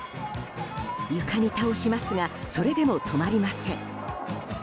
床に倒しますがそれでも止まりません。